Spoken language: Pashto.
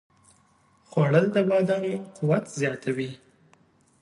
خوړل د بادامو قوت زیاتوي